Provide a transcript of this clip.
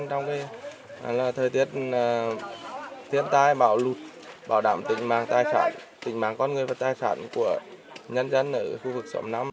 trong thời tiết thiên tai bão lụt bảo đảm tình mang con người và tài sản của nhân dân ở khu vực sáu mươi năm